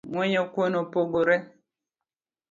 Ng’wenyo kuon opogore